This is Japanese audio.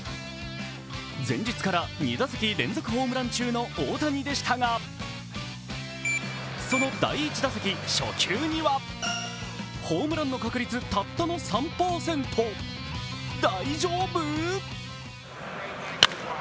前日から２打席連続ホームラン中の大谷でしたが、その第１打席、初球にはホームランの確率たったの３％、大丈夫？